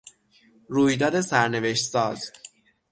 رویداد سرنوشت ساز